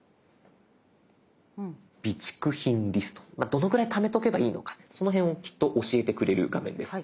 どのくらいためとけばいいのかその辺をきっと教えてくれる画面です。